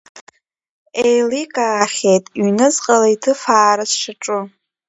Еиликаахьеит ҩныҵҟала иҭыфаара сшаҿу.